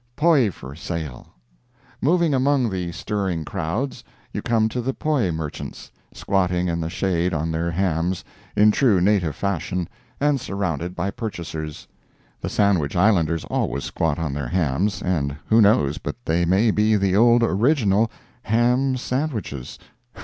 POI FOR SALE Moving among the stirring crowds, you come to the poi merchants, squatting in the shade on their hams, in true native fashion, and surrounded by purchasers. (The Sandwich Islanders always squat on their hams, and who knows but they may be the old original "ham sandwiches?"